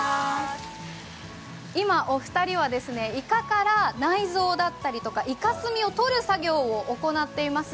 今、お二人はイカから内臓をだしたりとかイカ墨を取る作業を行っています。